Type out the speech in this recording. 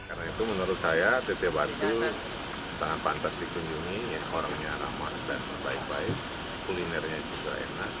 karena itu menurut saya teteh batu sangat pantas dikunjungi orangnya ramah dan baik baik kulinernya juga enak